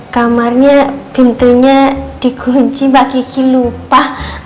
kamarnya pintunya dikunci mbak gigi lupa